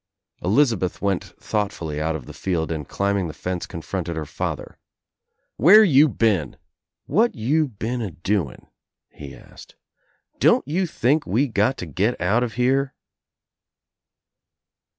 Elizabeth went thoughtfully out of the field and climbing the fence confronted her father. "Where you been? What you been a doing?" he asked. "Don't you think we got to get out of here?"